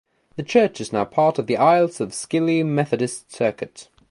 The church is now part of the Isles of Scilly Methodist Circuit.